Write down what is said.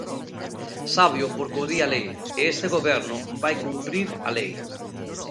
Sábeo porque o di a lei, e este goberno vai cumprir a lei.